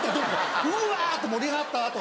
うわ！っと盛り上がった後